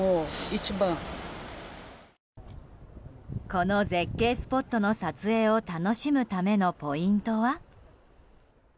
この絶景スポットの撮影を楽しむためのポイントは？